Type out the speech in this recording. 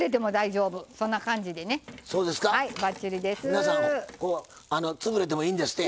皆さん潰れてもいいんですって。